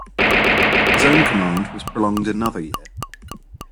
His own command was prolonged another year.